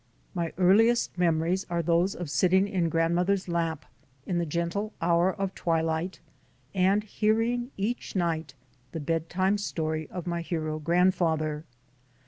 My earliest memories are those of sitting in grandmother's lap in the gentle hour of twilight, and hearing each night the bedtime story of my hero grandfather.